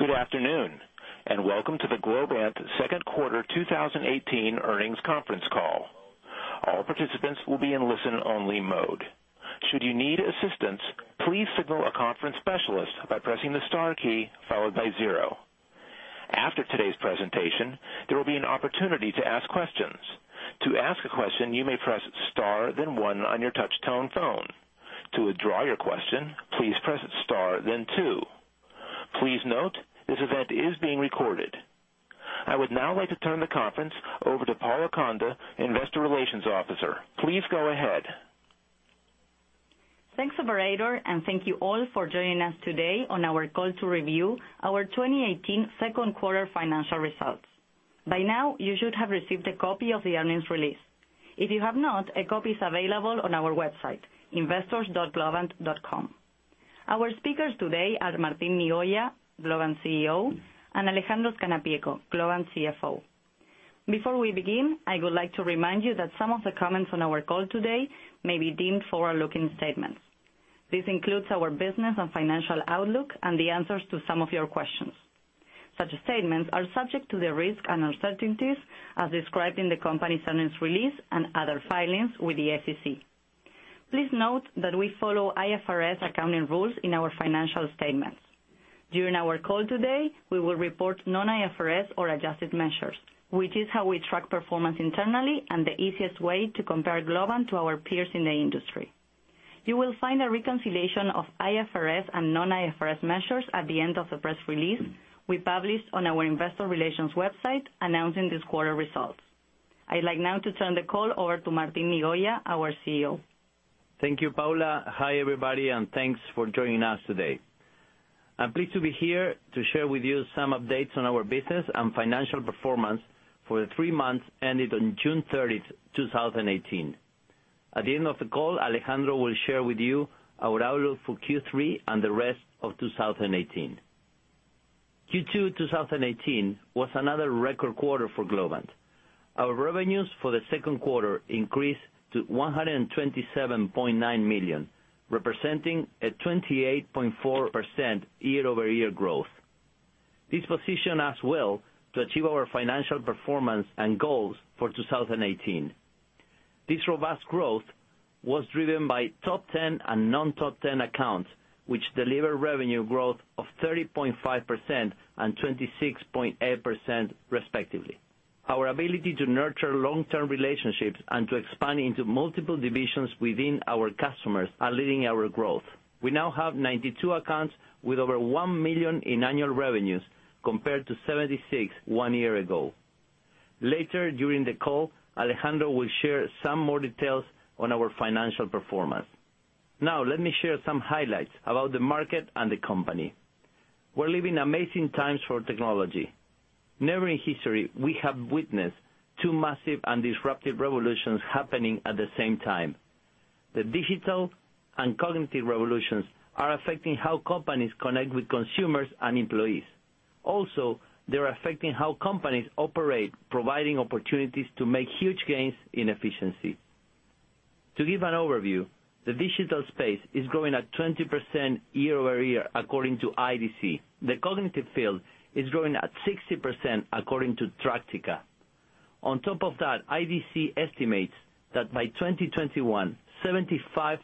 Good afternoon, welcome to the Globant second quarter 2018 earnings conference call. All participants will be in listen-only mode. Should you need assistance, please signal a conference specialist by pressing the star key followed by zero. After today's presentation, there will be an opportunity to ask questions. To ask a question, you may press star, then one on your touch tone phone. To withdraw your question, please press star then two. Please note, this event is being recorded. I would now like to turn the conference over to Paula Conde, Investor Relations Officer. Please go ahead. Thanks, operator, thank you all for joining us today on our call to review our 2018 second quarter financial results. By now, you should have received a copy of the earnings release. If you have not, a copy is available on our website, investors.globant.com. Our speakers today are Martín Migoya, Globant CEO, and Alejandro Scannapieco, Globant CFO. Before we begin, I would like to remind you that some of the comments on our call today may be deemed forward-looking statements. This includes our business and financial outlook and the answers to some of your questions. Such statements are subject to the risks and uncertainties as described in the company's earnings release and other filings with the SEC. Please note that we follow IFRS accounting rules in our financial statements. During our call today, we will report non-IFRS or adjusted measures, which is how we track performance internally and the easiest way to compare Globant to our peers in the industry. You will find a reconciliation of IFRS and non-IFRS measures at the end of the press release we published on our investor relations website announcing this quarter results. I'd like now to turn the call over to Martín Migoya, our CEO. Thank you, Paula. Hi, everybody, thanks for joining us today. I'm pleased to be here to share with you some updates on our business and financial performance for the three months ended on June 30th, 2018. At the end of the call, Alejandro will share with you our outlook for Q3 and the rest of 2018. Q2 2018 was another record quarter for Globant. Our revenues for the second quarter increased to $127.9 million, representing a 28.4% year-over-year growth. This position as well to achieve our financial performance and goals for 2018. This robust growth was driven by top 10 and non-top 10 accounts, which deliver revenue growth of 30.5% and 26.8% respectively. Our ability to nurture long-term relationships and to expand into multiple divisions within our customers are leading our growth. We now have 92 accounts with over $1 million in annual revenues, compared to 76 one year ago. Later during the call, Alejandro will share some more details on our financial performance. Now, let me share some highlights about the market and the company. We're living amazing times for technology. Never in history we have witnessed two massive and disruptive revolutions happening at the same time. The digital and cognitive revolutions are affecting how companies connect with consumers and employees. Also, they're affecting how companies operate, providing opportunities to make huge gains in efficiency. To give an overview, the digital space is growing at 20% year-over-year, according to IDC. The cognitive field is growing at 60%, according to Tractica. On top of that, IDC estimates that by 2021, 75%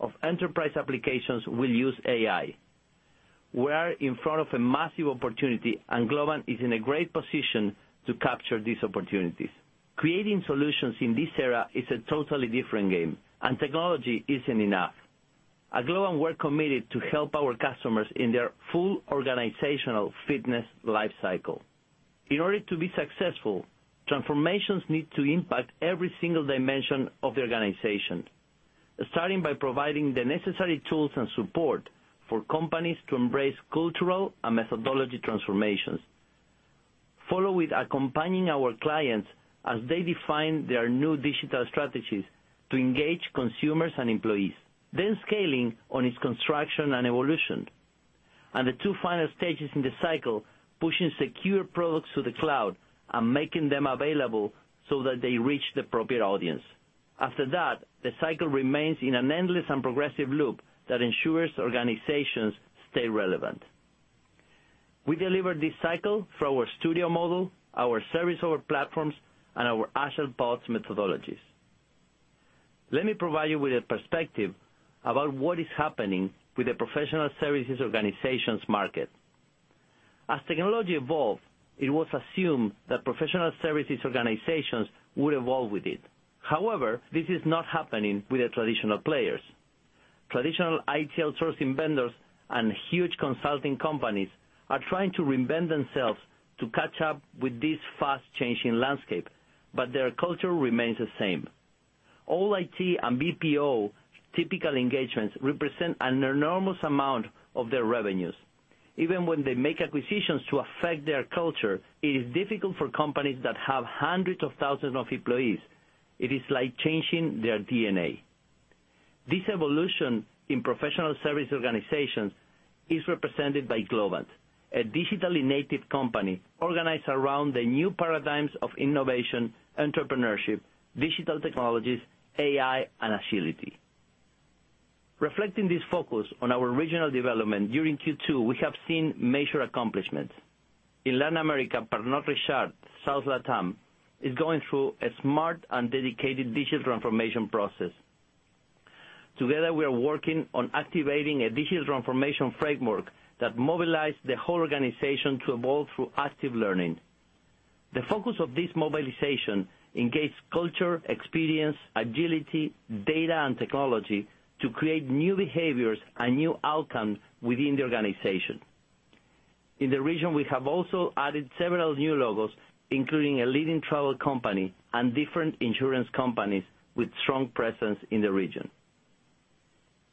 of enterprise applications will use AI. We are in front of a massive opportunity. Globant is in a great position to capture these opportunities. Creating solutions in this era is a totally different game. Technology isn't enough. At Globant, we're committed to help our customers in their full organizational fitness life cycle. In order to be successful, transformations need to impact every single dimension of the organization, starting by providing the necessary tools and support for companies to embrace cultural and methodology transformations. Follow with accompanying our clients as they define their new digital strategies to engage consumers and employees, then scaling on its construction and evolution. The two final stages in the cycle, pushing secure products to the cloud and making them available so that they reach the appropriate audience. After that, the cycle remains in an endless and progressive loop that ensures organizations stay relevant. We deliver this cycle through our studio model, our service over platforms, and our agile bots methodologies. Let me provide you with a perspective about what is happening with the professional services organizations market. As technology evolved, it was assumed that professional services organizations would evolve with it. However, this is not happening with the traditional players. Traditional IT outsourcing vendors and huge consulting companies are trying to reinvent themselves to catch up with this fast-changing landscape, but their culture remains the same. All IT and BPO typical engagements represent an enormous amount of their revenues. Even when they make acquisitions to affect their culture, it is difficult for companies that have hundreds of thousands of employees. It is like changing their DNA. This evolution in professional service organizations is represented by Globant, a digitally native company organized around the new paradigms of innovation, entrepreneurship, digital technologies, AI, and agility. Reflecting this focus on our regional development during Q2, we have seen major accomplishments. In Latin America, Pernod Ricard LATAM is going through a smart and dedicated digital transformation process. Together, we are working on activating a digital transformation framework that mobilizes the whole organization to evolve through active learning. The focus of this mobilization engages culture, experience, agility, data, and technology to create new behaviors and new outcomes within the organization. In the region, we have also added several new logos, including a leading travel company and different insurance companies with strong presence in the region.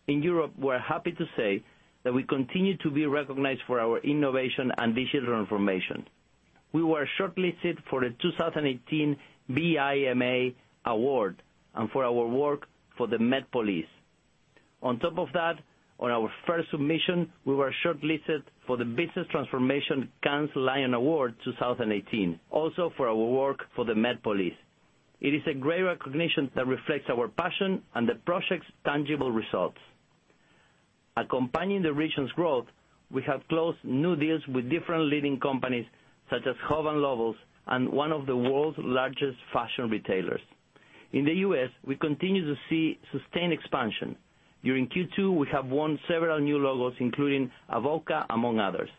In Europe, we're happy to say that we continue to be recognized for our innovation and digital transformation. We were shortlisted for the 2018 BIMA Awards, and for our work for the Met Police. On top of that, on our first submission, we were shortlisted for the Business Transformation Cannes Lions Award 2018, also for our work for the Met Police. It is a great recognition that reflects our passion and the project's tangible results. Accompanying the region's growth, we have closed new deals with different leading companies, such as Hogan Lovells and one of the world's largest fashion retailers. In the U.S., we continue to see sustained expansion. During Q2, we have won several new logos, including Avoca, among others.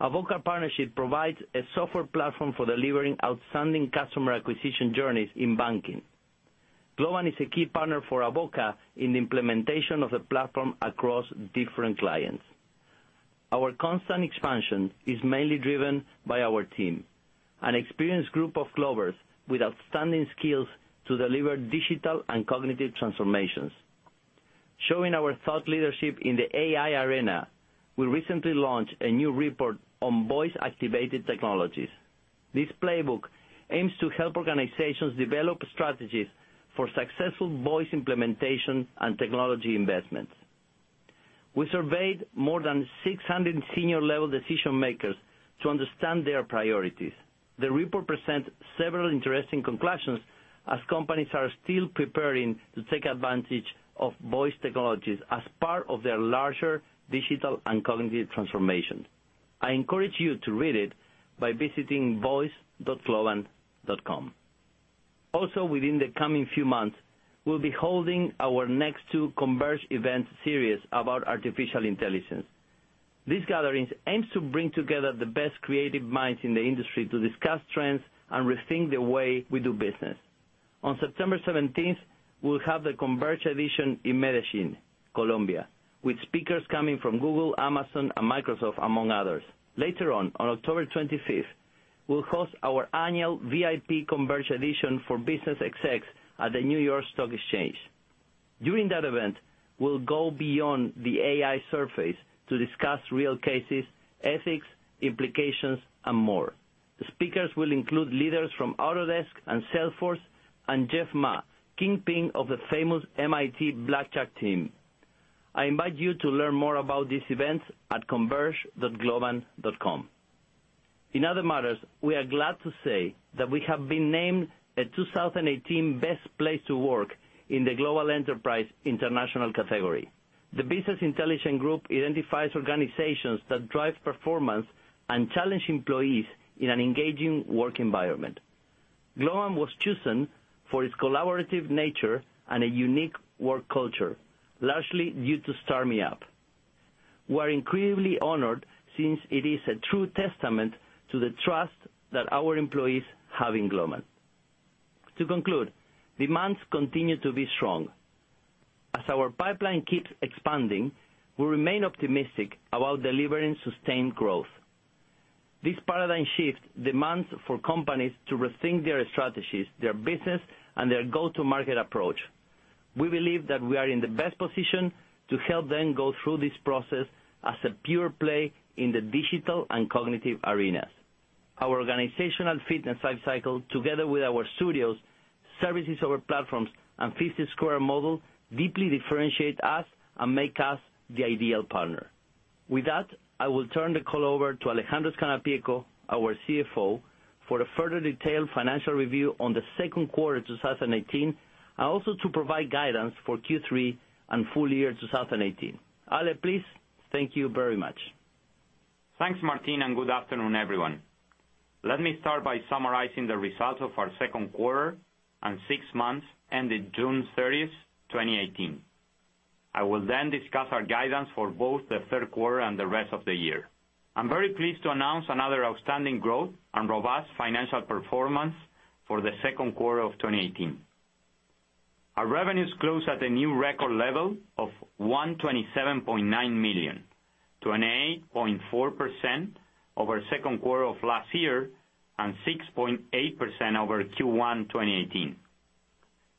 Avoca partnership provides a software platform for delivering outstanding customer acquisition journeys in banking. Globant is a key partner for Avoca in the implementation of the platform across different clients. Our constant expansion is mainly driven by our team, an experienced group of Globers with outstanding skills to deliver digital and cognitive transformations. Showing our thought leadership in the AI arena, we recently launched a new report on voice-activated technologies. This playbook aims to help organizations develop strategies for successful voice implementation and technology investments. We surveyed more than 600 senior-level decision makers to understand their priorities. The report presents several interesting conclusions, as companies are still preparing to take advantage of voice technologies as part of their larger digital and cognitive transformations. I encourage you to read it by visiting voice.globant.com. Also, within the coming few months, we'll be holding our next two Converge event series about artificial intelligence. These gatherings aim to bring together the best creative minds in the industry to discuss trends and rethink the way we do business. On September 17th, we'll have the Converge edition in Medellin, Colombia, with speakers coming from Google, Amazon, and Microsoft, among others. Later on October 25th, we'll host our annual VIP Converge edition for business execs at the New York Stock Exchange. During that event, we'll go beyond the AI surface to discuss real cases, ethics, implications, and more. The speakers will include leaders from Autodesk and Salesforce, and Jeff Ma, kingpin of the famous MIT blackjack team. I invite you to learn more about these events at converge.globant.com. In other matters, we are glad to say that we have been named a 2018 best place to work in the global enterprise international category. The Business Intelligence Group identifies organizations that drive performance and challenge employees in an engaging work environment. Globant was chosen for its collaborative nature and a unique work culture, largely due to StarMeUp. We're incredibly honored, since it is a true testament to the trust that our employees have in Globant. To conclude, demands continue to be strong. As our pipeline keeps expanding, we remain optimistic about delivering sustained growth. This paradigm shift demands for companies to rethink their strategies, their business, and their go-to-market approach. We believe that we are in the best position to help them go through this process as a pure play in the digital and cognitive arenas. Our organizational fitness lifecycle, together with our studios, services over platforms, and 50 Square model, deeply differentiate us and make us the ideal partner. With that, I will turn the call over to Alejandro Scannapieco, our CFO, for a further detailed financial review on the second quarter 2018, and also to provide guidance for Q3 and full year 2018. Ale, please. Thank you very much. Thanks, Martín, and good afternoon, everyone. Let me start by summarizing the results of our second quarter and six months ended June 30, 2018. I will then discuss our guidance for both the third quarter and the rest of the year. I'm very pleased to announce another outstanding growth and robust financial performance for the second quarter of 2018. Our revenues closed at a new record level of $127.9 million, 28.4% over second quarter of last year, and 6.8% over Q1 2018.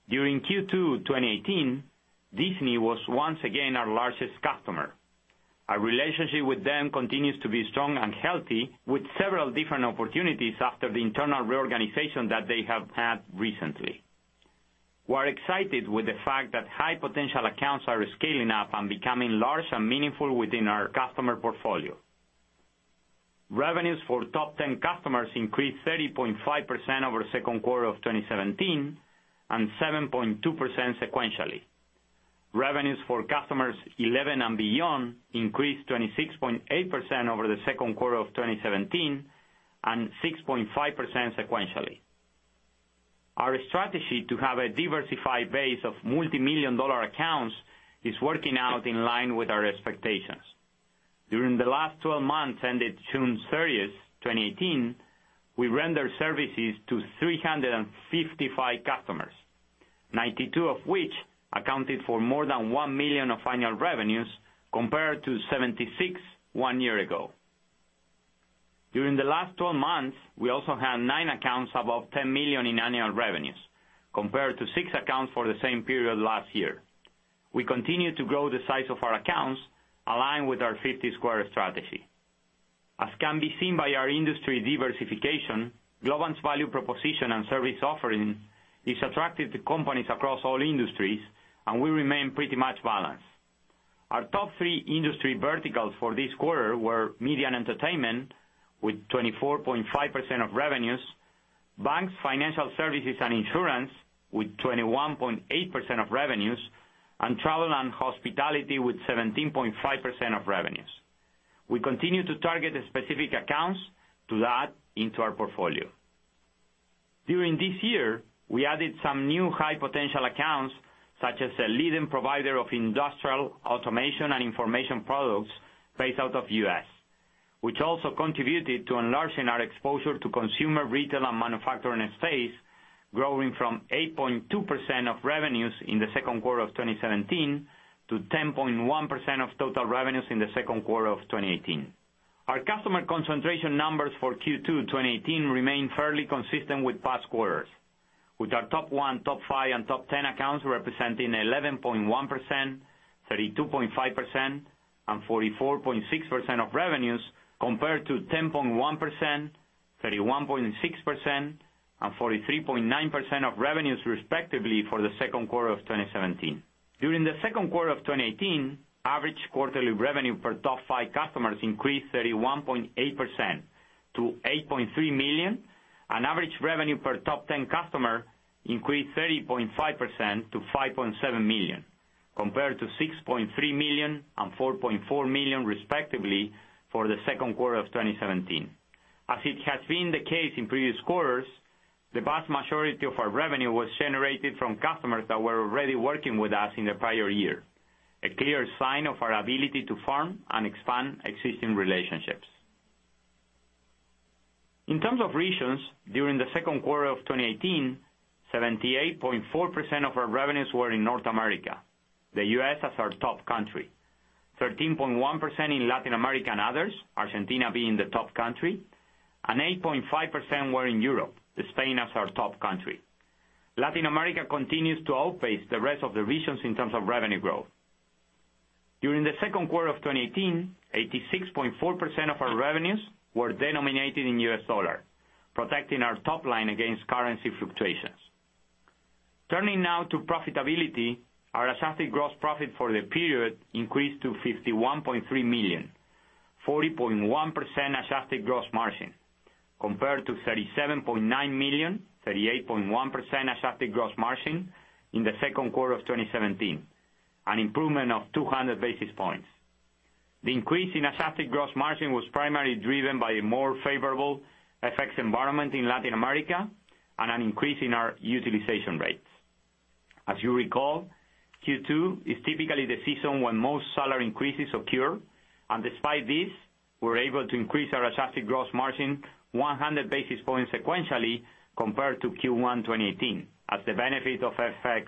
During Q2 2018, Disney was once again our largest customer. Our relationship with them continues to be strong and healthy, with several different opportunities after the internal reorganization that they have had recently. We are excited with the fact that high-potential accounts are scaling up and becoming large and meaningful within our customer portfolio. Revenues for top 10 customers increased 30.5% over the second quarter of 2017, and 7.2% sequentially. Revenues for customers 11 and beyond increased 26.8% over the second quarter of 2017, and 6.5% sequentially. Our strategy to have a diversified base of multimillion-dollar accounts is working out in line with our expectations. During the last 12 months ended June 30, 2018, we rendered services to 355 customers, 92 of which accounted for more than $1 million of annual revenues, compared to 76 one year ago. During the last 12 months, we also had nine accounts above $10 million in annual revenues, compared to six accounts for the same period last year. We continue to grow the size of our accounts, aligned with our 50 Square strategy. As can be seen by our industry diversification, Globant's value proposition and service offering is attractive to companies across all industries, and we remain pretty much balanced. Our top three industry verticals for this quarter were media and entertainment, with 24.5% of revenues, banks, financial services, and insurance with 21.8% of revenues, and travel and hospitality with 17.5% of revenues. We continue to target specific accounts to add into our portfolio. During this year, we added some new high-potential accounts, such as a leading provider of industrial automation and information products based out of U.S., which also contributed to enlarging our exposure to consumer retail and manufacturing space, growing from 8.2% of revenues in the second quarter of 2017 to 10.1% of total revenues in the second quarter of 2018. Our customer concentration numbers for Q2 2018 remain fairly consistent with past quarters, with our top one, top five, and top 10 accounts representing 11.1%, 32.5%, and 44.6% of revenues, compared to 10.1%, 31.6%, and 43.9% of revenues, respectively, for the second quarter of 2017. During the second quarter of 2018, average quarterly revenue per top five customers increased 31.8% to $8.3 million. Average revenue per top 10 customer increased 30.5% to $5.7 million, compared to $6.3 million and $4.4 million, respectively, for the second quarter of 2017. As it has been the case in previous quarters, the vast majority of our revenue was generated from customers that were already working with us in the prior year, a clear sign of our ability to farm and expand existing relationships. In terms of regions, during the second quarter of 2018, 78.4% of our revenues were in North America, the U.S. as our top country. 13.1% in Latin America and others, Argentina being the top country, and 8.5% were in Europe, Spain as our top country. Latin America continues to outpace the rest of the regions in terms of revenue growth. During the second quarter of 2018, 86.4% of our revenues were denominated in U.S. dollar, protecting our top line against currency fluctuations. Turning now to profitability, our adjusted gross profit for the period increased to $51.3 million, 40.1% adjusted gross margin, compared to $37.9 million, 38.1% adjusted gross margin in the second quarter of 2017, an improvement of 200 basis points. The increase in adjusted gross margin was primarily driven by a more favorable FX environment in Latin America and an increase in our utilization rates. As you recall, Q2 is typically the season when most salary increases occur. Despite this, we're able to increase our adjusted gross margin 100 basis points sequentially compared to Q1 2018, as the benefit of FX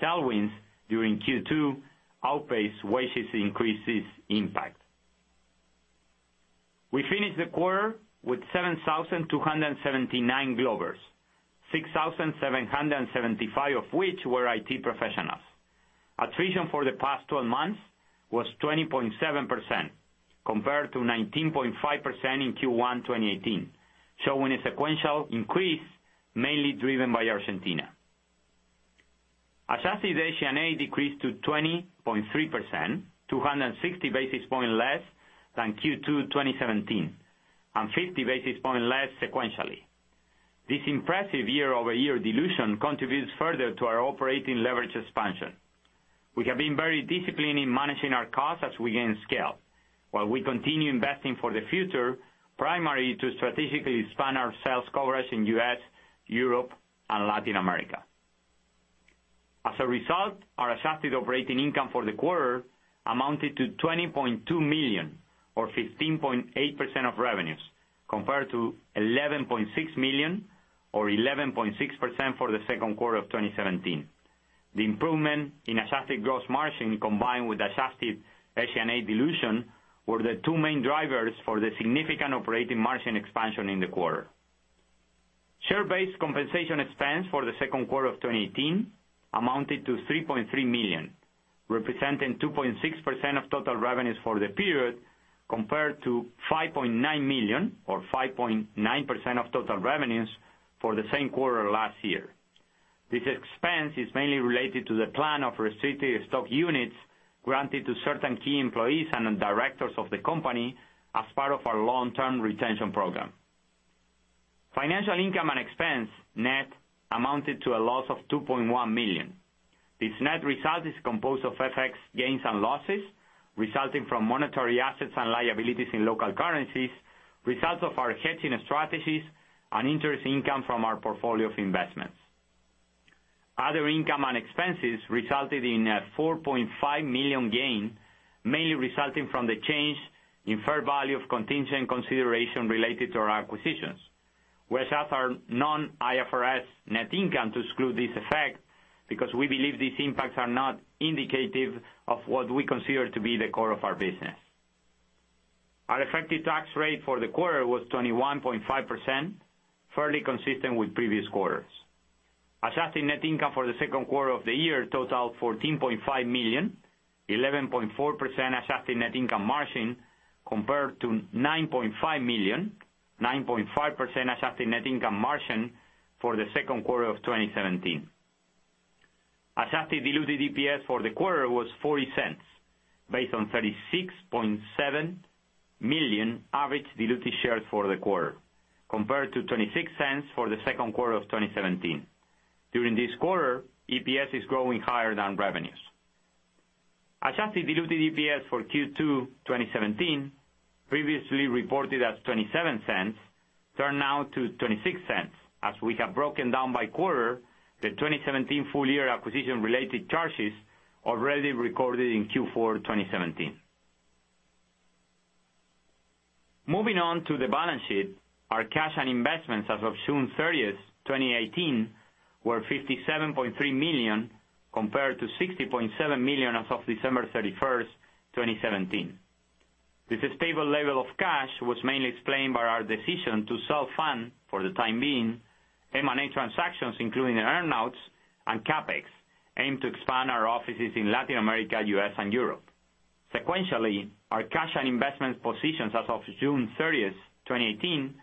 tailwinds during Q2 outpaced wages increases impact. We finished the quarter with 7,279 Globbers, 6,775 of which were IT professionals. Attrition for the past 12 months was 20.7%, compared to 19.5% in Q1 2018, showing a sequential increase, mainly driven by Argentina. Adjusted G&A decreased to 20.3%, 260 basis point less than Q2 2017, and 50 basis point less sequentially. This impressive year-over-year dilution contributes further to our operating leverage expansion. While we continue investing for the future, primarily to strategically expand our sales coverage in U.S., Europe, and Latin America. As a result, our adjusted operating income for the quarter amounted to $20.2 million or 15.8% of revenues, compared to $11.6 million or 11.6% for the second quarter of 2017. The improvement in adjusted gross margin combined with adjusted G&A dilution were the two main drivers for the significant operating margin expansion in the quarter. Share-based compensation expense for the second quarter of 2018 amounted to $3.3 million, representing 2.6% of total revenues for the period, compared to $5.9 million or 5.9% of total revenues for the same quarter last year. This expense is mainly related to the plan of restricted stock units granted to certain key employees and directors of the company as part of our long-term retention program. Financial income and expense net amounted to a loss of $2.1 million. This net result is composed of FX gains and losses resulting from monetary assets and liabilities in local currencies, results of our hedging strategies, and interest income from our portfolio of investments. Other income and expenses resulted in a $4.5 million gain, mainly resulting from the change in fair value of contingent consideration related to our acquisitions. We adjust our non-IFRS net income to exclude this effect because we believe these impacts are not indicative of what we consider to be the core of our business. Our effective tax rate for the quarter was 21.5%, fairly consistent with previous quarters. Adjusted net income for the second quarter of the year totaled $14.5 million, 11.4% adjusted net income margin, compared to $9.5 million, 9.5% adjusted net income margin for the second quarter of 2017. Adjusted diluted EPS for the quarter was $0.40, based on 36.7 million average diluted shares for the quarter, compared to $0.26 for the second quarter of 2017. During this quarter, EPS is growing higher than revenues. Adjusted diluted EPS for Q2 2017, previously reported as $0.27, turned now to $0.26 as we have broken down by quarter the 2017 full year acquisition-related charges already recorded in Q4 2017. Moving on to the balance sheet, our cash and investments as of June 30th, 2018, were $57.3 million, compared to $60.7 million as of December 31st, 2017. This stable level of cash was mainly explained by our decision to self-fund, for the time being, M&A transactions, including the earn-outs and CapEx, aimed to expand our offices in Latin America, U.S., and Europe. Sequentially, our cash and investment positions as of June 30th, 2018,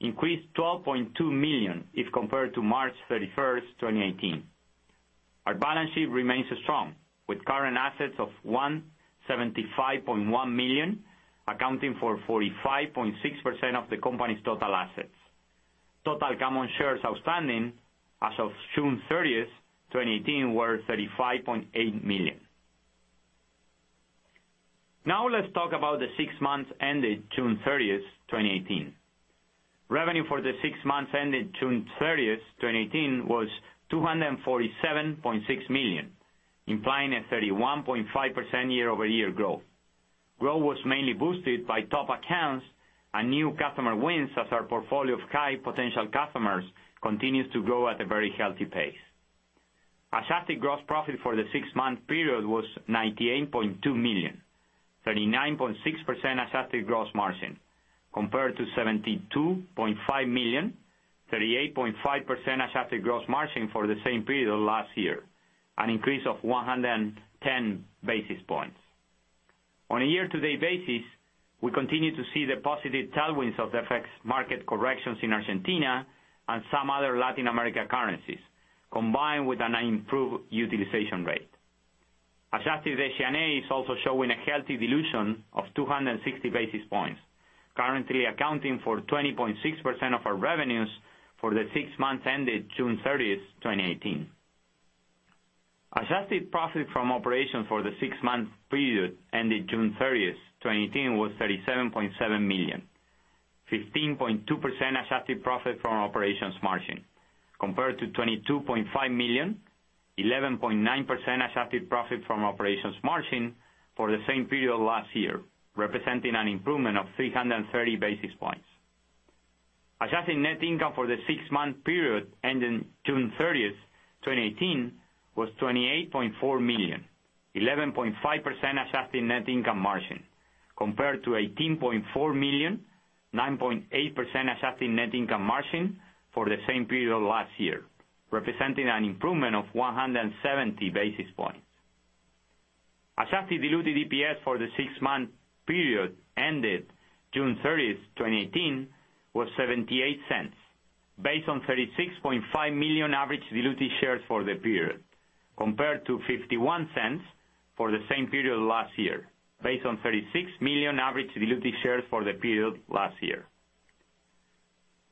increased $12.2 million if compared to March 31st, 2018. Our balance sheet remains strong with current assets of $175.1 million, accounting for 45.6% of the company's total assets. Total common shares outstanding as of June 30th, 2018, were 35.8 million. Now let's talk about the six months ended June 30th, 2018. Revenue for the six months ended June 30th, 2018, was $247.6 million, implying a 31.5% year-over-year growth. Growth was mainly boosted by top accounts and new customer wins as our portfolio of high potential customers continues to grow at a very healthy pace. Adjusted gross profit for the six-month period was $98.2 million, 39.6% adjusted gross margin, compared to $72.5 million, 38.5% adjusted gross margin for the same period last year, an increase of 110 basis points. On a year-to-date basis, we continue to see the positive tailwinds of the effects market corrections in Argentina and some other Latin America currencies, combined with an improved utilization rate. Adjusted SG&A is also showing a healthy dilution of 260 basis points, currently accounting for 20.6% of our revenues for the six months ended June 30th, 2018. Adjusted profit from operations for the six-month period ended June 30th, 2018, was $37.7 million, 15.2% adjusted profit from operations margin, compared to $22.5 million, 11.9% adjusted profit from operations margin for the same period last year, representing an improvement of 330 basis points. Adjusted net income for the six-month period ending June 30th, 2018, was $28.4 million, 11.5% adjusted net income margin, compared to $18.4 million, 9.8% adjusted net income margin for the same period last year, representing an improvement of 170 basis points. Adjusted diluted EPS for the six-month period ended June 30th, 2018, was $0.78, based on 36.5 million average diluted shares for the period, compared to $0.51 for the same period last year, based on 36 million average diluted shares for the period last year.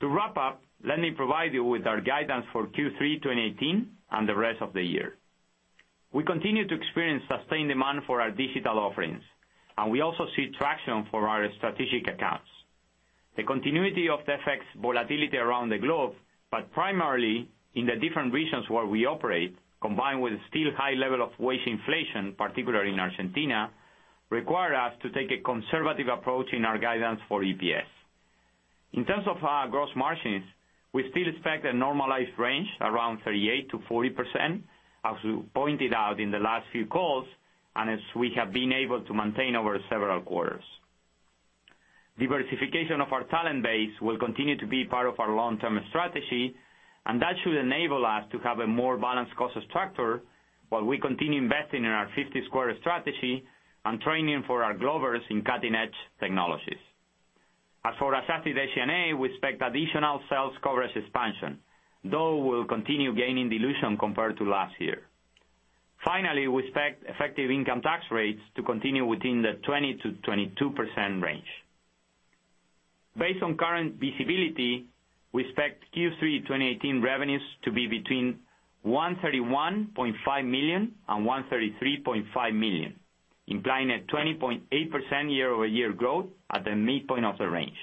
To wrap up, let me provide you with our guidance for Q3 2018 and the rest of the year. We continue to experience sustained demand for our digital offerings, and we also see traction for our strategic accounts. The continuity of the effects volatility around the globe, but primarily in the different regions where we operate, combined with still high level of wage inflation, particularly in Argentina, require us to take a conservative approach in our guidance for EPS. In terms of our gross margins, we still expect a normalized range around 38%-40%, as we pointed out in the last few calls, and as we have been able to maintain over several quarters. Diversification of our talent base will continue to be part of our long-term strategy, and that should enable us to have a more balanced cost structure while we continue investing in our 50 Square strategy and training for our Globers in cutting-edge technologies. As for adjusted SG&A, we expect additional sales coverage expansion, though we'll continue gaining dilution compared to last year. Finally, we expect effective income tax rates to continue within the 20%-22% range. Based on current visibility, we expect Q3 2018 revenues to be between $131.5 million and $133.5 million, implying a 20.8% year-over-year growth at the midpoint of the range.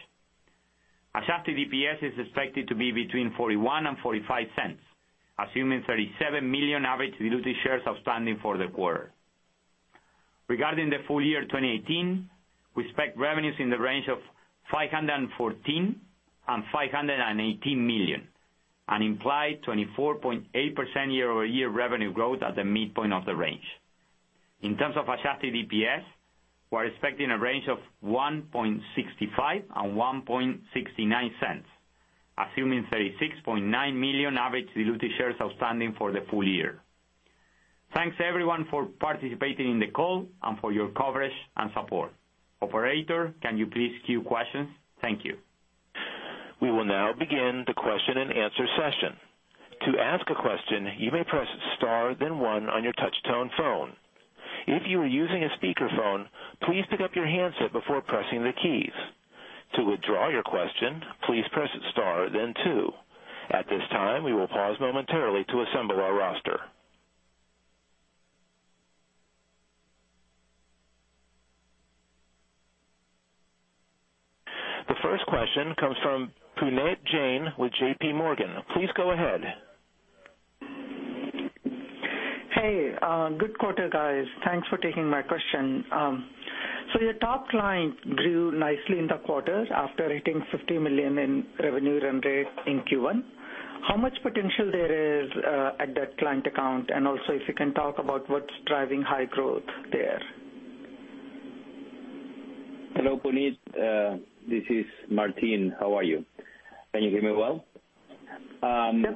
Adjusted EPS is expected to be between $0.41 and $0.45, assuming $37 million average diluted shares outstanding for the quarter. Regarding the full year 2018, we expect revenues in the range of $514 million-$518 million, an implied 24.8% year-over-year revenue growth at the midpoint of the range. In terms of adjusted EPS, we're expecting a range of $1.65-$1.69, assuming $36.9 million average diluted shares outstanding for the full year. Thanks everyone for participating in the call and for your coverage and support. Operator, can you please queue questions? Thank you. We will now begin the question and answer session. To ask a question, you may press star then one on your touch tone phone. If you are using a speakerphone, please pick up your handset before pressing the keys. To withdraw your question, please press star then two. At this time, we will pause momentarily to assemble our roster. The first question comes from Puneet Jain with JPMorgan. Please go ahead. Hey, good quarter, guys. Thanks for taking my question. Your top line grew nicely in the quarter after hitting $50 million in revenue run rate in Q1. Also, if you can talk about what's driving high growth there. Hello, Puneet. This is Martín. How are you? Can you hear me well? Yeah.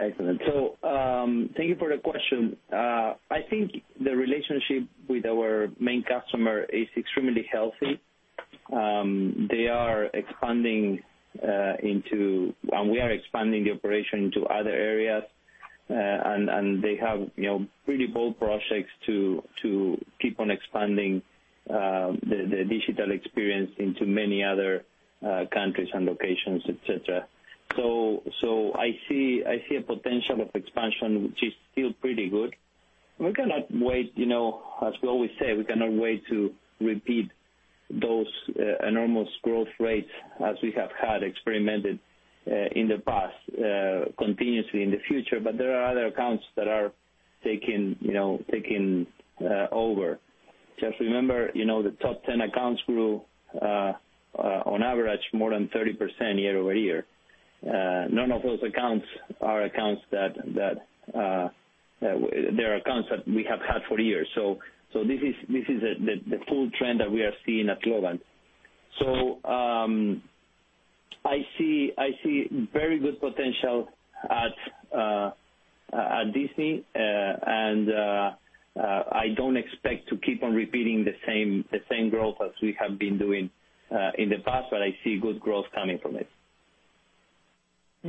Excellent. Thank you for the question. I think the relationship with our main customer is extremely healthy. They are expanding into we are expanding the operation into other areas. They have pretty bold projects to keep on expanding the digital experience into many other countries and locations, et cetera. I see a potential of expansion, which is still pretty good. We cannot wait, as we always say, we cannot wait to repeat those enormous growth rates as we have had experimented, in the past, continuously in the future. There are other accounts that are taking over. Just remember, the top 10 accounts grew, on average, more than 30% year-over-year. None of those accounts are accounts that we have had for years. This is the full trend that we are seeing at Globant. I see very good potential at Disney. I don't expect to keep on repeating the same growth as we have been doing in the past. I see good growth coming from it.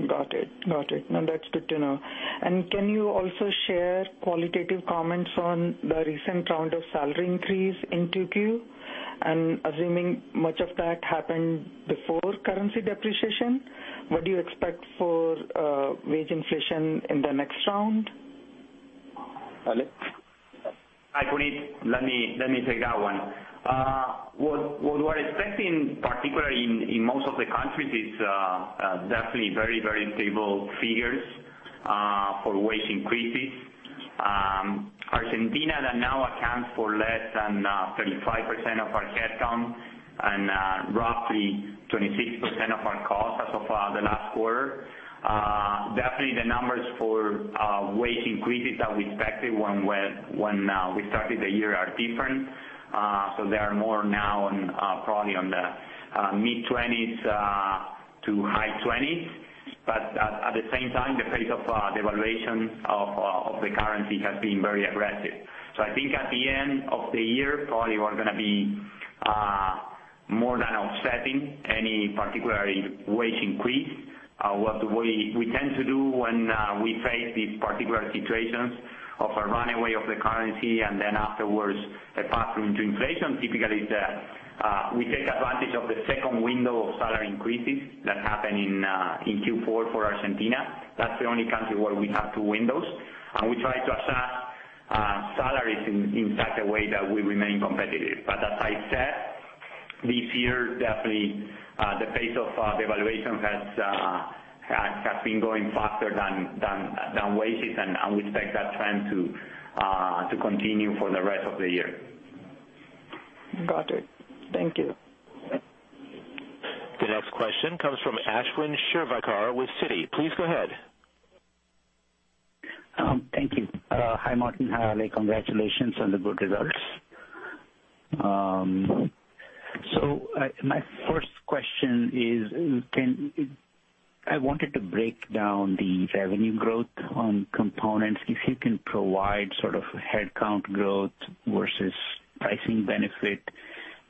Got it. No, that's good to know. Can you also share qualitative comments on the recent round of salary increase in 2Q? Assuming much of that happened before currency depreciation, what do you expect for wage inflation in the next round? Ale? Hi, Puneet. Let me take that one. What we're expecting, particularly in most of the countries, is definitely very stable figures for wage increases. Argentina now accounts for less than 35% of our headcount and roughly 26% of our costs as of the last quarter. Definitely the numbers for wage increases that we expected when we started the year are different. They are more now probably on the mid-20s to high 20s. At the same time, the pace of devaluation of the currency has been very aggressive. I think at the end of the year, probably we're going to be more than offsetting any particular wage increase. What we tend to do when we face these particular situations of a runaway of the currency and then afterwards it passes into inflation, typically is that we take advantage of the second window of salary increases that happen in Q4 for Argentina. That's the only country where we have two windows. We try to assess salaries in such a way that we remain competitive. As I said, this year, definitely, the pace of devaluation has been going faster than wages. We expect that trend to continue for the rest of the year. Got it. Thank you. The next question comes from Ashwin Shirvaikar with Citi. Please go ahead. Thank you. Hi, Martín. Hi, Alejandro. Congratulations on the good results. My first question is, I wanted to break down the revenue growth on components. If you can provide headcount growth versus pricing benefit,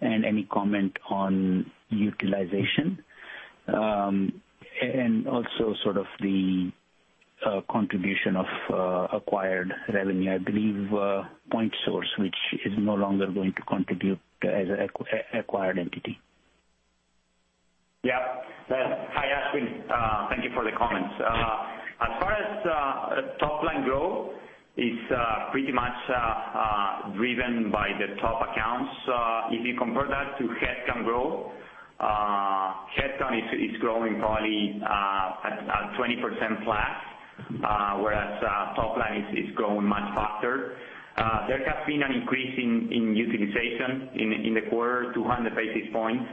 and any comment on utilization. Also the contribution of acquired revenue, I believe PointSource, which is no longer going to contribute as an acquired entity. Yeah. Hi, Ashwin. Thank you for the comments. As far as top-line growth, it's pretty much driven by the top accounts. If you compare that to headcount growth, headcount is growing probably at 20% flat, whereas top-line is growing much faster. There has been an increase in utilization in the quarter, 200 basis points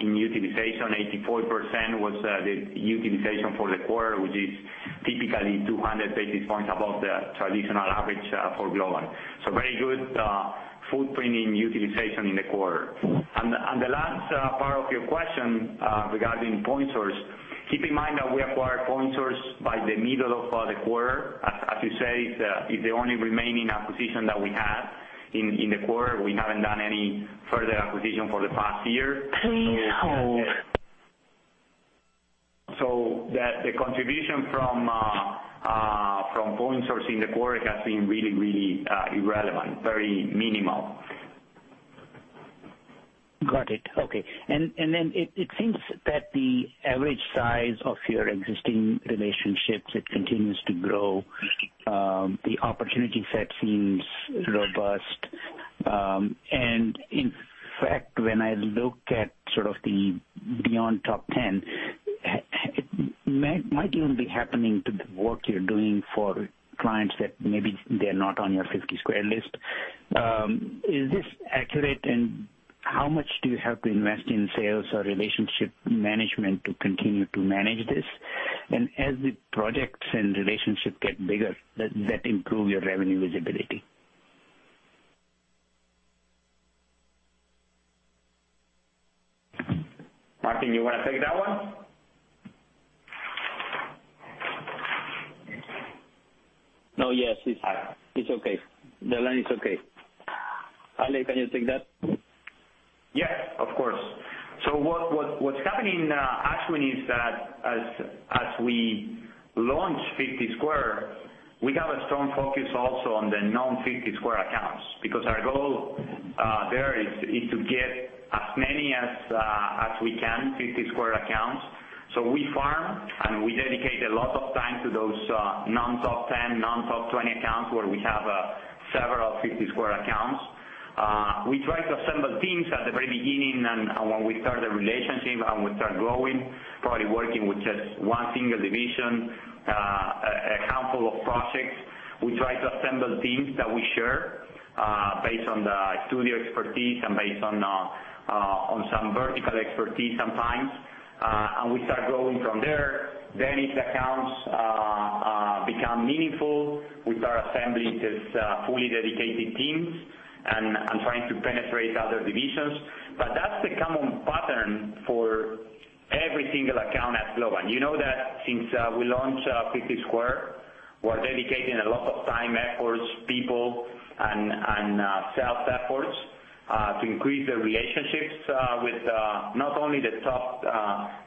in utilization. 84% was the utilization for the quarter, which is typically 200 basis points above the traditional average for Globant. Very good footprinting utilization in the quarter. The last part of your question regarding PointSource, keep in mind that we acquired PointSource by the middle of the quarter. As you say, it's the only remaining acquisition that we had in the quarter. We haven't done any further acquisition for the past year. Please hold. The contribution from PointSource in the quarter has been really irrelevant, very minimal. Got it. Okay. It seems that the average size of your existing relationships, it continues to grow. The opportunity set seems robust, and in fact, when I look at the beyond top 10, it might even be happening to the work you're doing for clients that maybe they're not on your 50 Square list. Is this accurate, and how much do you have to invest in sales or relationship management to continue to manage this? As the projects and relationship get bigger, does that improve your revenue visibility? Martín, you want to take that one? No. Yes, it's okay. The line is okay. Ali, can you take that? Yeah, of course. What's happening, Ashwin, is that as we launch 50 Square, we have a strong focus also on the non-50 Square accounts, because our goal there is to get as many as we can, 50 Square accounts. We farm and we dedicate a lot of time to those non-top 10, non-top 20 accounts, where we have several 50 Square accounts. We try to assemble teams at the very beginning and when we start the relationship and we start growing, probably working with just one single division, a couple of projects. We try to assemble teams that we share based on the studio expertise and based on some vertical expertise sometimes. We start growing from there. If the accounts become meaningful, we start assembling these fully dedicated teams and trying to penetrate other divisions. That's the common pattern for every single account at Globant. You know that since we launched 50 Square, we're dedicating a lot of time, efforts, people, and sales efforts to increase the relationships with not only the top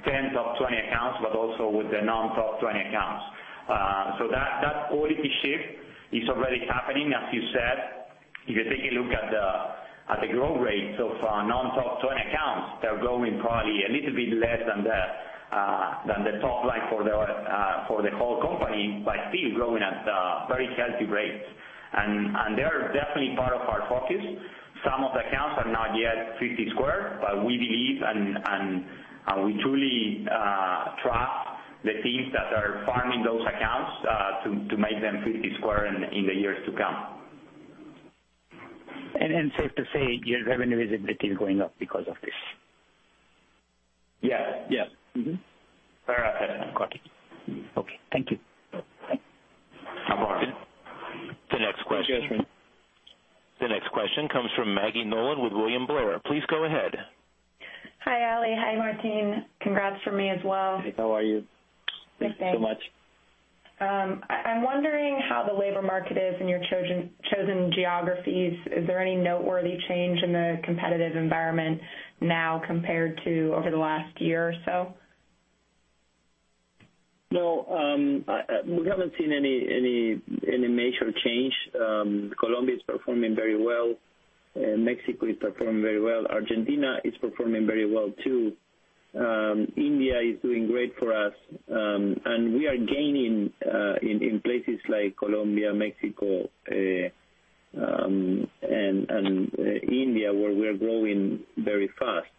10, top 20 accounts, but also with the non-top 20 accounts. That quality shift is already happening, as you said. If you take a look at the growth rates of non-top 20 accounts, they're growing probably a little bit less than the top line for the whole company, but still growing at very healthy rates. They are definitely part of our focus. Some of the accounts are not yet 50 Square, but we believe and we truly trust the teams that are farming those accounts to make them 50 Square in the years to come. Safe to say your revenue visibility is going up because of this. Yes. Got it. Okay. Thank you. No problem. The next question comes from Maggie Nolan with William Blair. Please go ahead. Hi, Ali. Hi, Martin. Congrats from me as well. Hey, how are you? Good, thanks. Thank you so much. I'm wondering how the labor market is in your chosen geographies. Is there any noteworthy change in the competitive environment now compared to over the last year or so? No, we haven't seen any major change. Colombia is performing very well. Mexico is performing very well. Argentina is performing very well, too. India is doing great for us. We are gaining in places like Colombia, Mexico, and India, where we are growing very fast.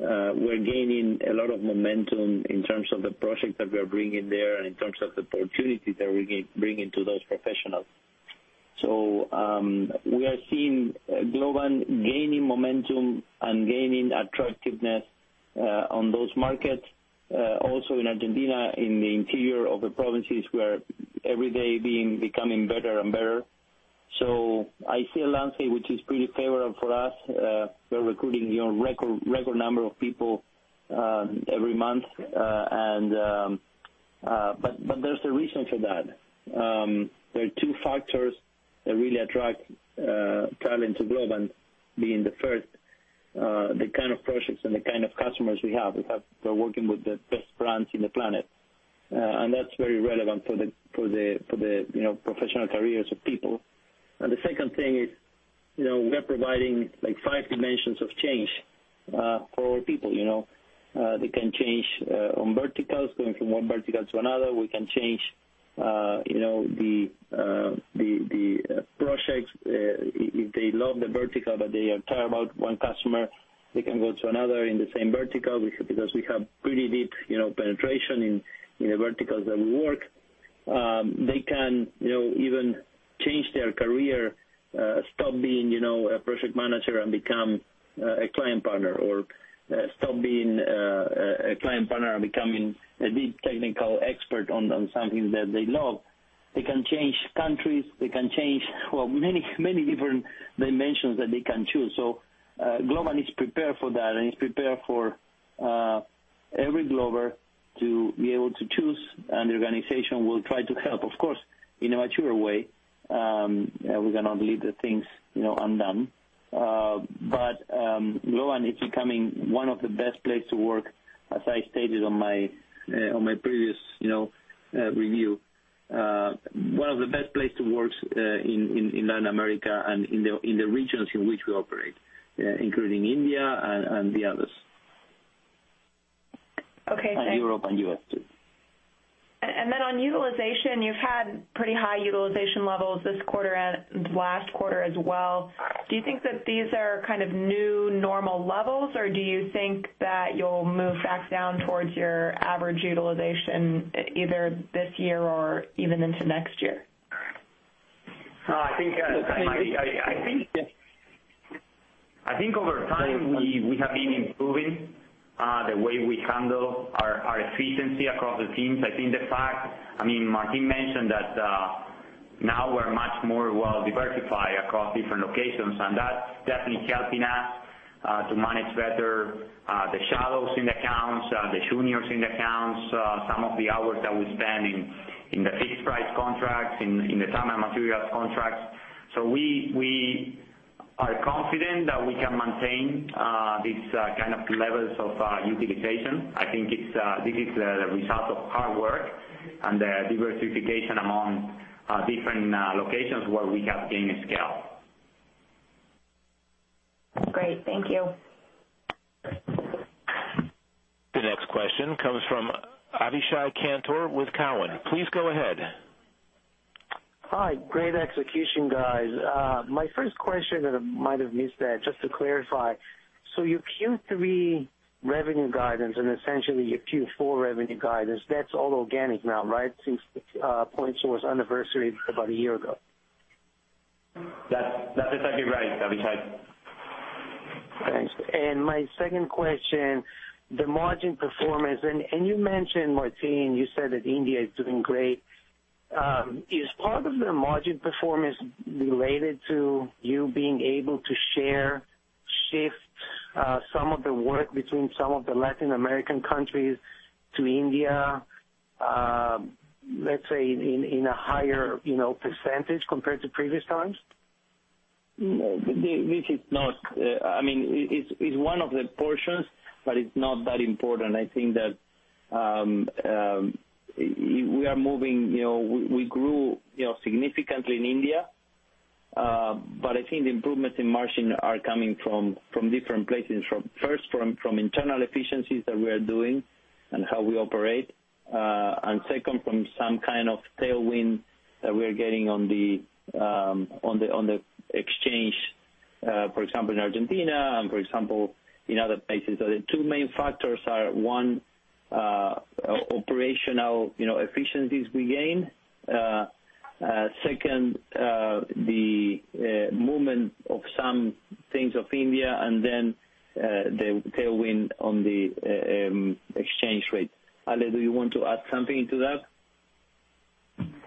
We're gaining a lot of momentum in terms of the projects that we are bringing there and in terms of the opportunities that we're bringing to those professionals. We are seeing Globant gaining momentum and gaining attractiveness on those markets. Also in Argentina, in the interior of the provinces, we are every day becoming better and better. I see a landscape which is pretty favorable for us. We're recruiting record number of people every month. There's a reason for that. There are two factors that really attract talent to Globant. Being the first, the kind of projects and the kind of customers we have. We're working with the best brands in the planet. That's very relevant for the professional careers of people. The second thing is, we are providing five dimensions of change for our people. They can change on verticals, going from one vertical to another. We can change the projects. If they love the vertical but they are tired about one customer, they can go to another in the same vertical, because we have pretty deep penetration in the verticals that we work. They can even change their career, stop being a project manager and become a client partner or stop being a client partner and becoming a deep technical expert on something that they love. They can change countries. They can change, well, many different dimensions that they can choose. Globant is prepared for that and is prepared for every Glober to be able to choose, and the organization will try to help, of course, in a mature way. We cannot leave the things undone. Globant is becoming one of the best place to work, as I stated on my previous review. One of the best place to work in Latin America and in the regions in which we operate, including India and the others. Okay. Europe and U.S. too. On utilization, you've had pretty high utilization levels this quarter and last quarter as well. Do you think that these are kind of new normal levels, or do you think that you'll move back down towards your average utilization either this year or even into next year? I think over time, we have been improving the way we handle our efficiency across the teams. I think the fact, Martín mentioned that now we're much more well-diversified across different locations, and that's definitely helping us to manage better the shallows in accounts, the juniors in the accounts, some of the hours that we spend in the fixed price contracts, in the time and materials contracts. We are confident that we can maintain these kind of levels of utilization. I think this is the result of hard work and diversification among different locations where we have gained scale. Great. Thank you. The next question comes from Avishai Kantor with Cowen. Please go ahead. Hi. Great execution, guys. My first question, and I might have missed it, just to clarify, your Q3 revenue guidance and essentially your Q4 revenue guidance, that's all organic now, right? Since PointSource anniversary about a year ago. That is exactly right, Avishai. Thanks. My second question, the margin performance, and you mentioned, Martín, you said that India is doing great. Is part of the margin performance related to you being able to share, shift some of the work between some of the Latin American countries to India let's say in a higher percentage compared to previous times? This is not. It's one of the portions, but it's not that important. I think that we are moving. We grew significantly in India. I think the improvements in margin are coming from different places. First, from internal efficiencies that we are doing and how we operate. Second, from some kind of tailwind that we are getting on the exchange for example, in Argentina and for example, in other places. The two main factors are, one, operational efficiencies we gain. Second, the movement of some things of India, then the tailwind on the exchange rate. Ale, do you want to add something to that?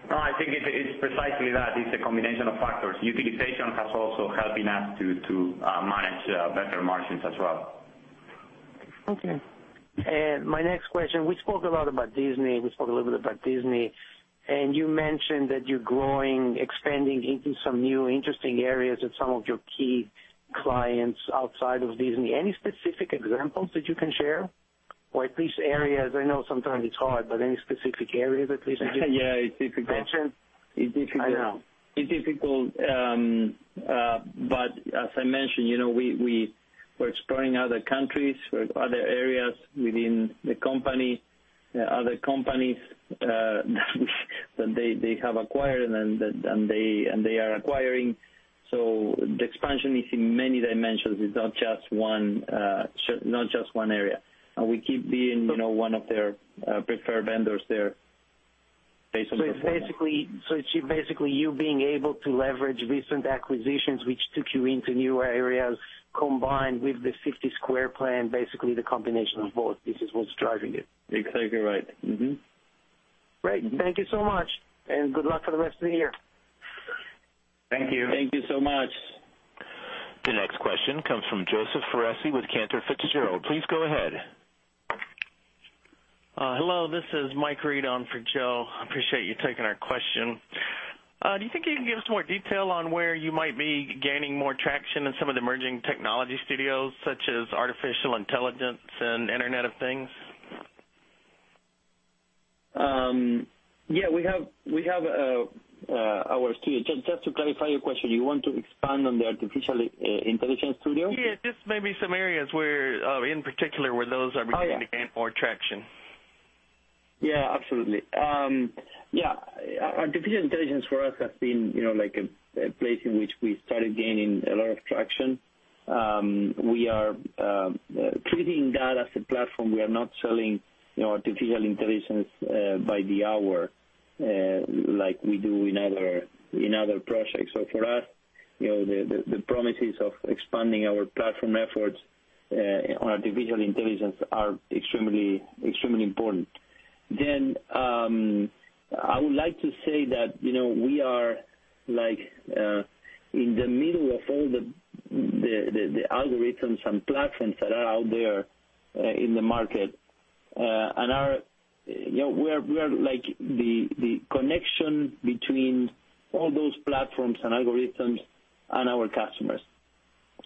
No, I think it's precisely that. It's a combination of factors. Utilization has also helping us to manage better margins as well. Okay. My next question, we spoke a lot about Disney. We spoke a little bit about Disney, and you mentioned that you're growing, expanding into some new interesting areas at some of your key clients outside of Disney. Any specific examples that you can share? At least areas, I know sometimes it's hard, any specific areas at least? Yeah, it's difficult. I know. It's difficult. As I mentioned, we're exploring other countries or other areas within the company, other companies that they have acquired and they are acquiring. The expansion is in many dimensions. It's not just one area. We keep being one of their preferred vendors there based on performance. It's basically you being able to leverage recent acquisitions which took you into new areas combined with the 50 Square plan, basically the combination of both. This is what's driving it. Exactly right. Mm-hmm. Great. Thank you so much. Good luck for the rest of the year. Thank you. Thank you so much. The next question comes from Joseph Foresi with Cantor Fitzgerald. Please go ahead. Hello, this is Joseph Foresi on for Joe. Appreciate you taking our question. Do you think you can give us more detail on where you might be gaining more traction in some of the emerging technology studios, such as artificial intelligence and Internet of Things? Yeah, we have our studio. Just to clarify your question, you want to expand on the artificial intelligence studio? Yeah, just maybe some areas where, in particular, where those are. Oh, yeah. beginning to gain more traction. Absolutely. Yes. Artificial intelligence for us has been, like a place in which we started gaining a lot of traction. We are treating that as a platform. We are not selling artificial intelligence by the hour, like we do in other projects. For us, the promises of expanding our platform efforts on artificial intelligence are extremely important. I would like to say that we are in the middle of all the algorithms and platforms that are out there in the market. We are the connection between all those platforms and algorithms and our customers.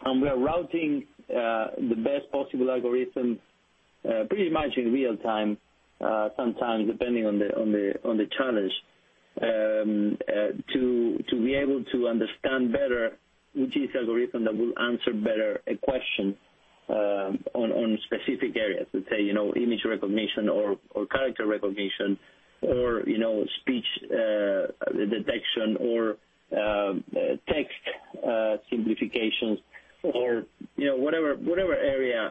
We are routing the best possible algorithm, pretty much in real-time, sometimes depending on the challenge, to be able to understand better which is the algorithm that will answer better a question on specific areas. Let's say, image recognition or character recognition, or speech detection, or text simplifications, or whatever area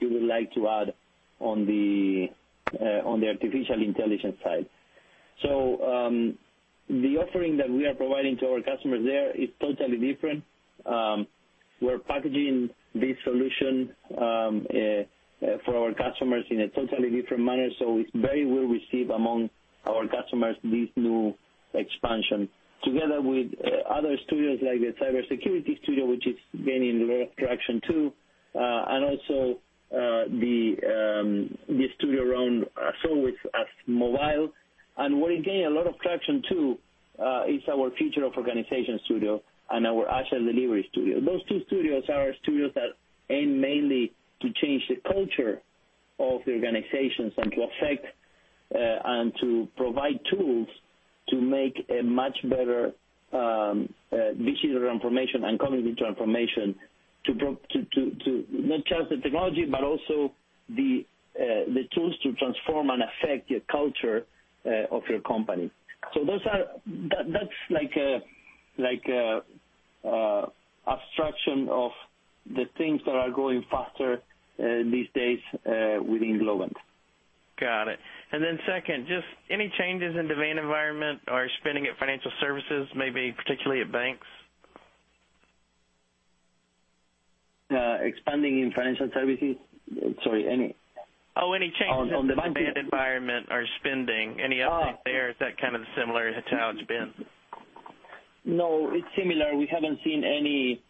you would like to add on the artificial intelligence side. The offering that we are providing to our customers there is totally different. We're packaging this solution for our customers in a totally different manner, so it's very well received among our customers, this new expansion. Together with other studios, like the cybersecurity studio, which is gaining a lot of traction too, and also the studio around a source as mobile. What is gaining a lot of traction, too, is our Future of Organization Studio and our Agile Delivery Studio. Those two studios are studios that aim mainly to change the culture of the organizations and to affect, and to provide tools to make a much better digital transformation and company transformation, to not just the technology, but also the tools to transform and affect your culture of your company. That's like abstraction of the things that are growing faster these days within Globant. Got it. Second, just any changes in demand environment or spending at financial services, maybe particularly at banks? Expanding in financial services? Sorry. Any changes in the demand environment or spending. Any updates there? Is that kind of similar to how it's been? No, it's similar. We haven't seen any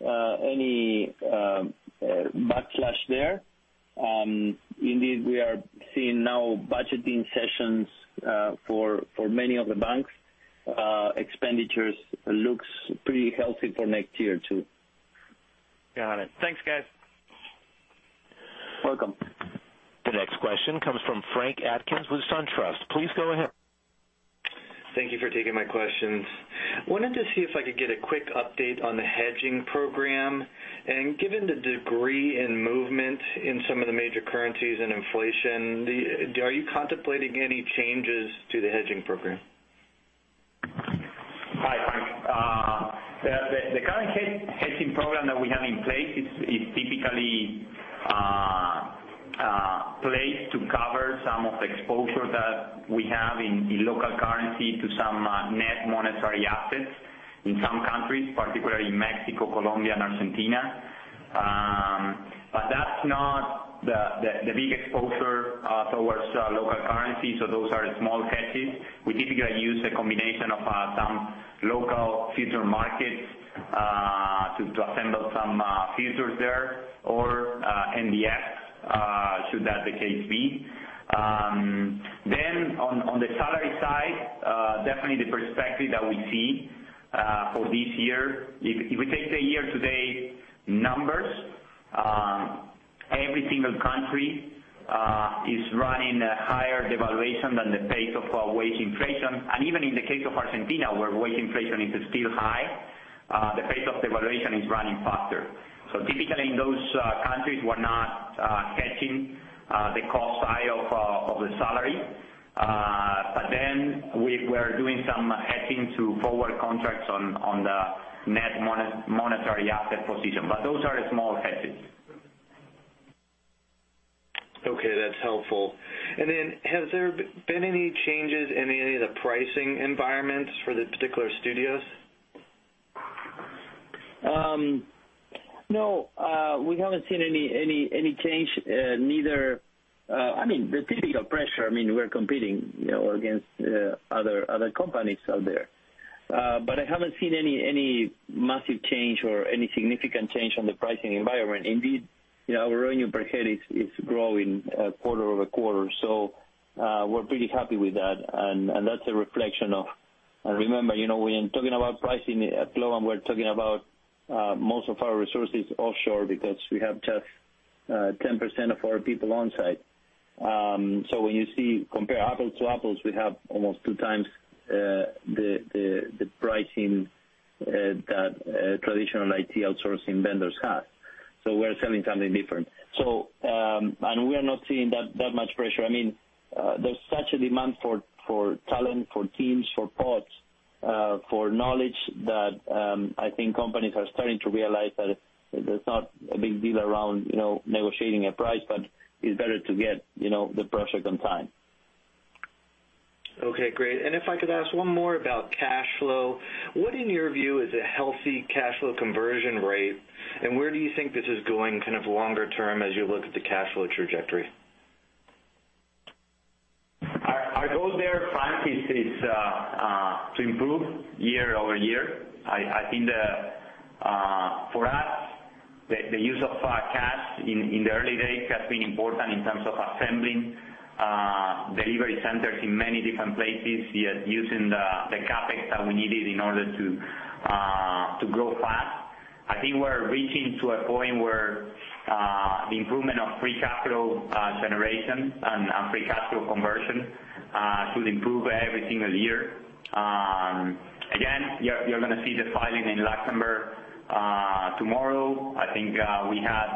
backlash there. Indeed, we are seeing now budgeting sessions for many of the banks. Expenditures looks pretty healthy for next year, too. Got it. Thanks, guys. Welcome. The next question comes from Frank Atkins with SunTrust. Please go ahead. Thank you for taking my questions. Wanted to see if I could get a quick update on the hedging program. Given the degree in movement in some of the major currencies and inflation, are you contemplating any changes to the hedging program? Hi, Frank. The current hedging program that we have in place is typically placed to cover some of the exposure that we have in the local currency to some net monetary assets in some countries, particularly Mexico, Colombia and Argentina. That's not the big exposure towards local currency, so those are small hedges. We typically use a combination of some local future markets, to assemble some futures there or NDFs, should that the case be. On the salary side, definitely the perspective that we see, for this year, if we take the year-to-date numbers, every single country is running a higher devaluation than the pace of wage inflation. Even in the case of Argentina, where wage inflation is still high, the pace of devaluation is running faster. Typically, in those countries, we're not hedging the cost side of the salary. We're doing some hedging to forward contracts on the net monetary asset position. Those are small hedges. Okay, that's helpful. Has there been any changes in any of the pricing environments for the particular studios? No, we haven't seen any change. There's typical pressure. We're competing against other companies out there. I haven't seen any massive change or any significant change on the pricing environment. Indeed, our revenue per head is growing quarter-over-quarter. We're pretty happy with that. Remember, when talking about pricing at Globant, we're talking about most of our resources offshore, because we have just 10% of our people on-site. When you compare apples to apples, we have almost two times the pricing that traditional IT outsourcing vendors have. We're selling something different. We are not seeing that much pressure. There's such a demand for talent, for teams, for pods, for knowledge, that I think companies are starting to realize that there's not a big deal around negotiating a price, but it's better to get the project on time. Okay, great. If I could ask one more about cash flow. What, in your view, is a healthy cash flow conversion rate, and where do you think this is going longer term, as you look at the cash flow trajectory? Our goal there, Francisco, is to improve year-over-year. I think for us, the use of cash in the early days has been important in terms of assembling delivery centers in many different places, using the CapEx that we needed in order to grow fast. I think we're reaching to a point where the improvement of free cash flow generation and free cash flow conversion should improve every single year. You're gonna see the filing in November, tomorrow. I think we had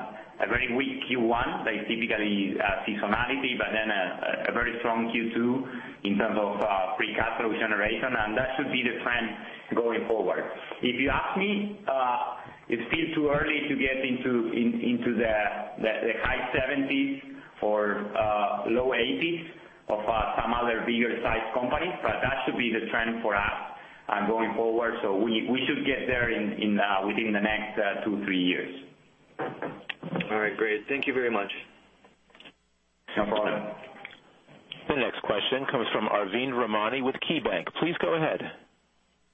a very weak Q1. There's typically a seasonality, a very strong Q2 in terms of free cash flow generation, and that should be the trend going forward. If you ask me, it's still too early to get into the high 70s or low 80s of some other bigger-sized companies, but that should be the trend for us going forward. We should get there within the next two, three years. All right, great. Thank you very much. No problem. The next question comes from Arvind Ramnani with KeyBanc. Please go ahead.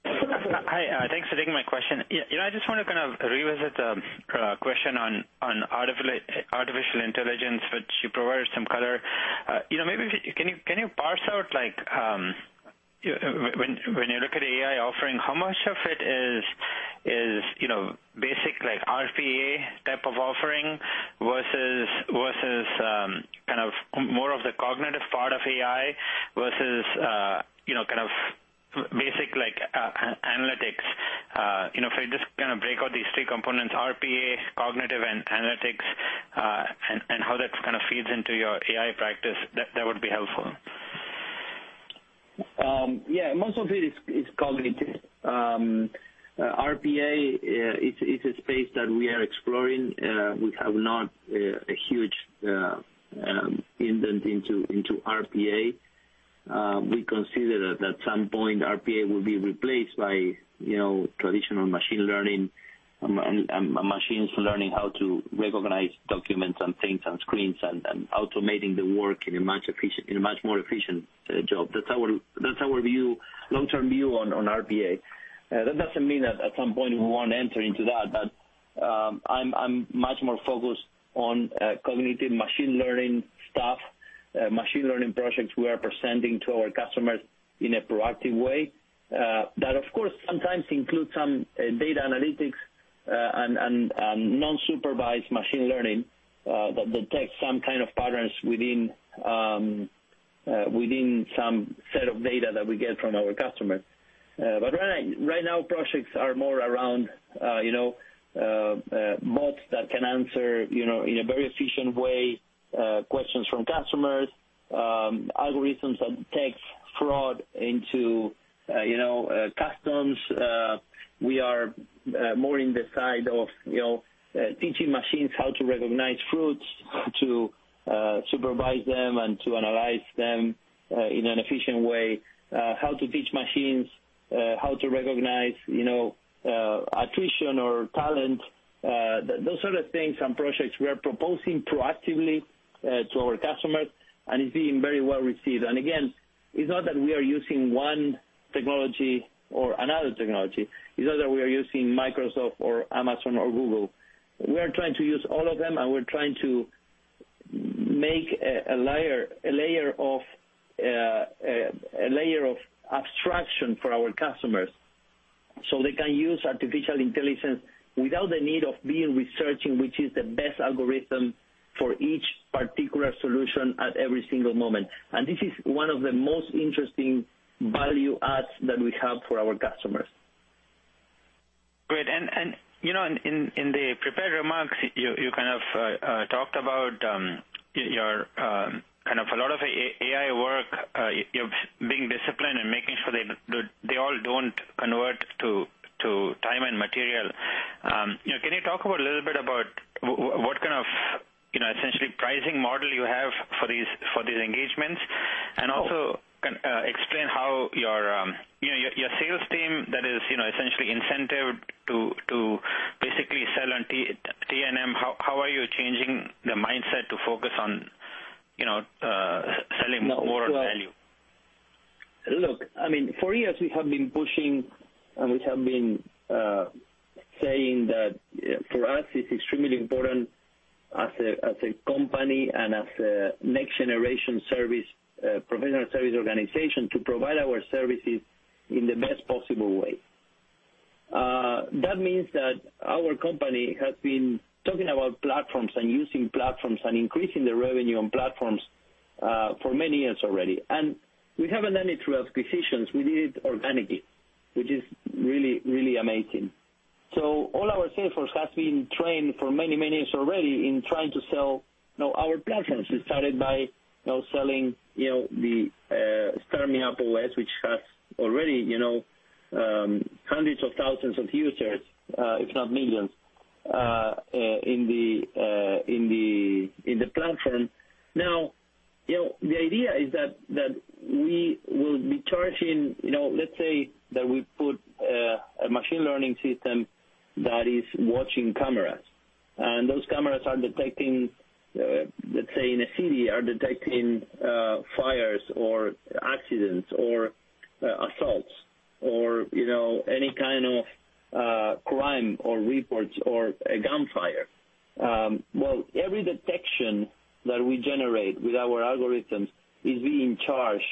Hi, thanks for taking my question. I just want to kind of revisit the question on artificial intelligence. You provided some color. Maybe, can you parse out, when you look at AI offering, how much of it is basic RPA type of offering versus more of the cognitive part of AI, versus basic analytics? If you just break out these three components, RPA, cognitive, and analytics, and how that feeds into your AI practice, that would be helpful. Yeah. Most of it is cognitive. RPA is a space that we are exploring. We have not a huge indent into RPA. We consider that at some point, RPA will be replaced by traditional machine learning. Machines learning how to recognize documents and things on screens and automating the work in a much more efficient job. That's our long-term view on RPA. That doesn't mean that at some point we won't enter into that. I'm much more focused on cognitive machine learning stuff, machine learning projects we are presenting to our customers in a proactive way. That, of course, sometimes includes some data analytics and non-supervised machine learning that detects some kind of patterns within some set of data that we get from our customers. Right now, projects are more around bots that can answer, in a very efficient way, questions from customers, algorithms that take fraud into customs. We are more in the side of teaching machines how to recognize fruits, to supervise them and to analyze them in an efficient way. How to teach machines how to recognize attrition or talent. Those are the things and projects we are proposing proactively to our customers. It's being very well-received. Again, it's not that we are using one technology or another technology. It's not that we are using Microsoft or Amazon or Google. We are trying to use all of them. We're trying to make a layer of abstraction for our customers so they can use artificial intelligence without the need of being researching which is the best algorithm for each particular solution at every single moment. This is one of the most interesting value adds that we have for our customers. Great. In the prepared remarks, you talked about a lot of AI work, you being disciplined and making sure they all don't convert to time and material. Can you talk a little bit about Essentially, pricing model you have for these engagements. Also, explain how your sales team, that is essentially incented to basically sell on T&M, how are you changing the mindset to focus on selling more value? Look, for years we have been pushing, and we have been saying that for us, it's extremely important as a company and as a next-generation professional service organization, to provide our services in the best possible way. That means that our company has been talking about platforms and using platforms and increasing the revenue on platforms, for many years already. We haven't done it through acquisitions, we did it organically, which is really amazing. All our salesforce has been trained for many years already in trying to sell our platforms. We started by selling the StarMeUp OS, which has already hundreds of thousands of users, if not millions, in the platform. The idea is that we will be charging, let's say that we put a machine learning system that is watching cameras. Those cameras, let's say in a city, are detecting fires or accidents or assaults or any kind of crime or reports or a gunfire. Well, every detection that we generate with our algorithms is being charged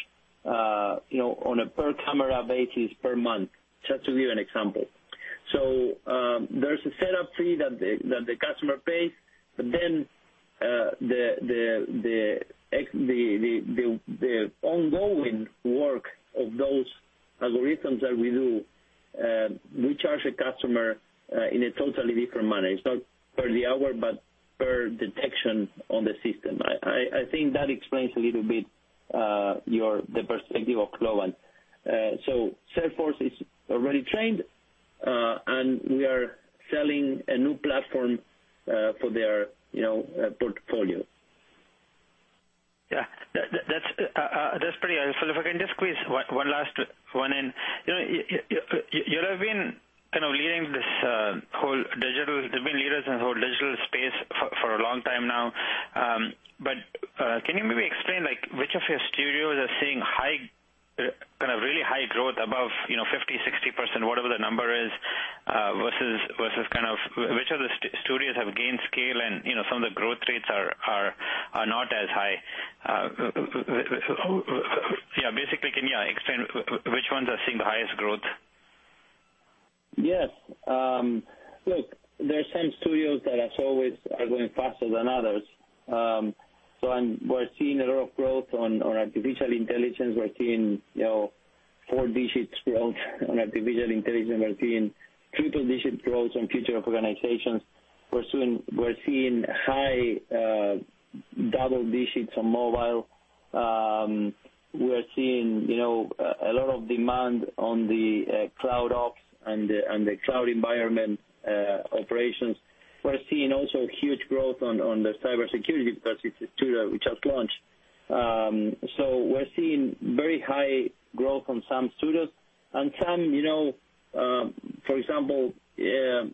on a per-camera basis per month, just to give you an example. There's a setup fee that the customer pays,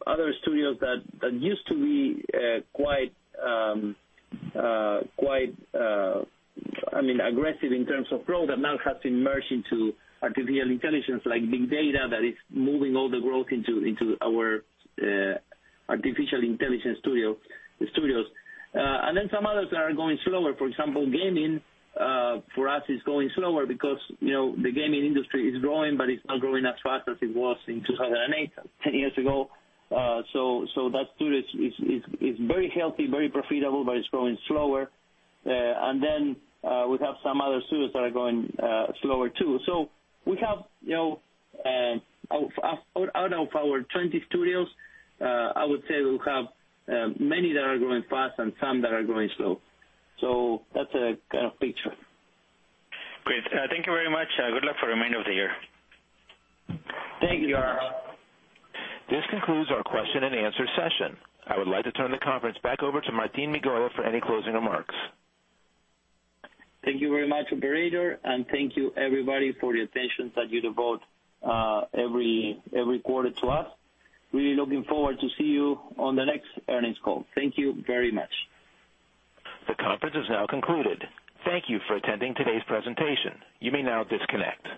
other studios that used to be quite aggressive in terms of growth, have now to merge into Artificial Intelligence, like Big Data that is moving all the growth into our Artificial Intelligence studios. Some others are going slower. For example, gaming, for us, is going slower because the gaming industry is growing, but it's not growing as fast as it was in 2008, 10 years ago. That studio is very healthy, very profitable, but it's growing slower. We have some other studios that are going slower, too. Out of our 20 studios, I would say we have many that are growing fast and some that are growing slow. That's a kind of picture. Great. Thank you very much. Good luck for the remainder of the year. Thank you. This concludes our question and answer session. I would like to turn the conference back over to Martín Migoya for any closing remarks. Thank you very much, operator, and thank you everybody for the attention that you devote every quarter to us. Really looking forward to see you on the next earnings call. Thank you very much. The conference is now concluded. Thank you for attending today's presentation. You may now disconnect.